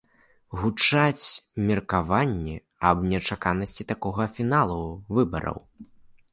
Гучаць меркаванні аб нечаканасці такога фіналу выбараў.